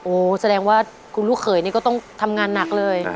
แสดงว่าคุณลูกเขยนี่ก็ต้องทำงานหนักเลย